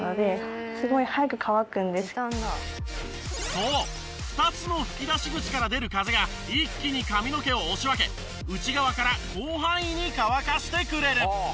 そう２つの吹き出し口から出る風が一気に髪の毛を押し分け内側から広範囲に乾かしてくれる。